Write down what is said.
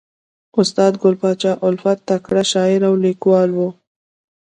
استاد ګل پاچا الفت تکړه شاعر او لیکوال ؤ.